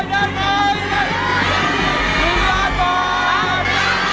หนุนยานบอก